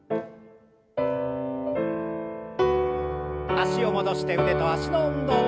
脚を戻して腕と脚の運動。